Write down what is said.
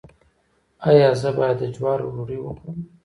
ایا زه باید د جوارو ډوډۍ وخورم؟